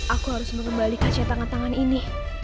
aku harus mengembalikan saya tangan tangan ini